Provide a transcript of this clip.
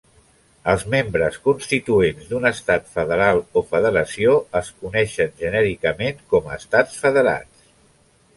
Els membres constituents d'un Estat federal o Federació es coneixen genèricament com a estats federats.